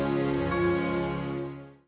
semoga semuanya menjadi sembuh